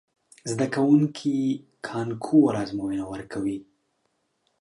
زده کوونکي کانکور ازموینه ورکوي.